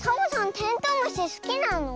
テントウムシすきなの？